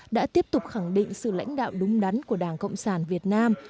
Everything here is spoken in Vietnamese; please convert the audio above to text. đã tiếp tục khẳng định sự lãnh đạo đúng đắn của đảng cộng sản việt nam